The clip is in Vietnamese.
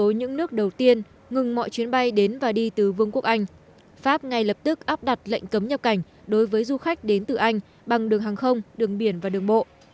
trong những nước đầu tiên ngừng mọi chuyến bay đến và đi từ vương quốc anh pháp ngay lập tức áp đặt lệnh cấm nhập cảnh đối với du khách đến từ anh bằng đường hàng không đường biển và đường bộ